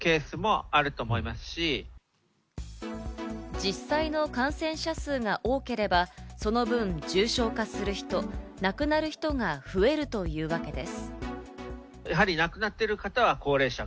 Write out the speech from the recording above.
実際の感染者数が多ければ、その分、重症化する人、亡くなる人が増えるというわけです。